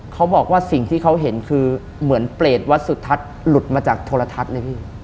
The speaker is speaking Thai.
เขาบอกว่าสิ่งที่เขาเห็นคือเหมือนเปรตวัดสุทัศน์หลุดมาจากโทรทัศน์เลยพี่